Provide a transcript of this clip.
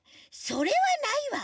それはないわ。